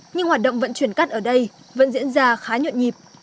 nhưng hoạt động vận chuyển cắt ở đây vẫn diễn ra khá nhuận nhịp